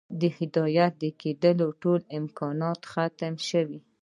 د هدايت كېدو ټول امكانات ئې ختم شي